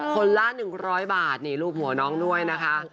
คนละ๑๐๐บาทนี่รูปหัวน้องด้วยนะคะ